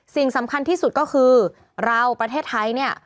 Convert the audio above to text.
สิ่งสำคัญที่สุดก็คือเราประเทศไทยเนี่ย